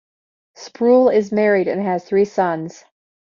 Sproule is married and has three sons.